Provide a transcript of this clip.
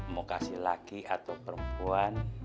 mau kasih laki atau perempuan